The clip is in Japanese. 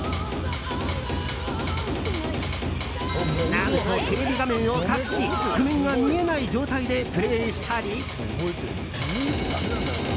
何と、テレビ画面を隠し譜面が見えない状態でプレーしたり。